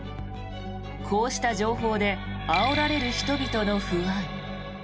こうした情報であおられる人々の不安。